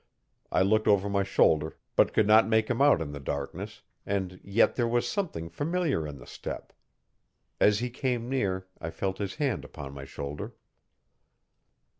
I looked over my shoulder, but could not make him out in the darkness, and yet there was something familiar in the step. As he came near I felt his hand upon my shoulder.